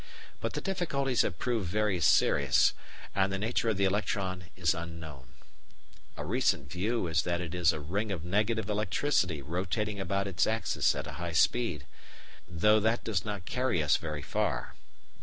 But the difficulties have proved very serious, and the nature of the electron is unknown. A recent view is that it is "a ring of negative electricity rotating about its axis at a high speed," though that does not carry us very far.